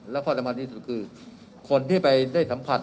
และความสำคัญที่สุดคือคนที่ไปได้สัมผัส